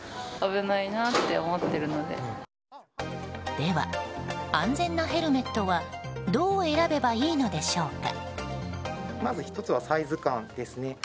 では、安全なヘルメットはどう選べばいいのでしょうか。